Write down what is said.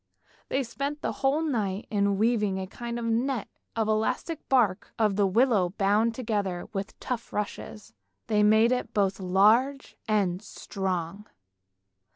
They spent the whole night in weaving a kind of net of the elastic bark of the willow bound together with tough rushes; they made it both large and strong.